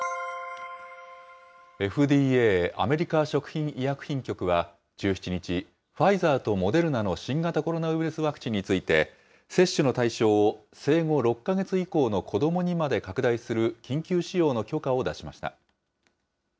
ＦＤＡ・アメリカ食品医薬品局は、１７日、ファイザーとモデルナの新型コロナウイルスワクチンについて、接種の対象を生後６か月以降の子どもにまで拡大する緊急使用の許可を出しました。